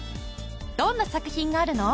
どんな作品があるの？